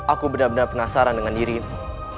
aku benar benar penasaran dengan dirimu